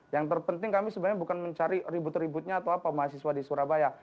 yang terpenting kami sebenarnya bukan mencari ribut ributnya atau apa mahasiswa di surabaya